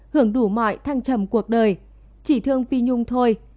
hưởng đủ mọi thăng trầm cuộc đời chỉ thương phi nhung thôi